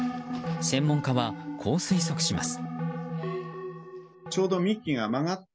専門家はこう推測します。